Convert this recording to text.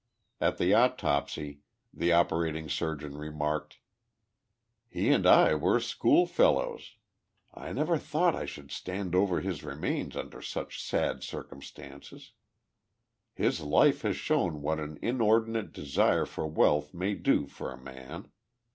At the autopsy the operating sur geon remarked : "He and I were school fellows. I never thought I should stand over his remains under such sad circum stances. His life has shown what an inordinate desire for wealth may do for a man.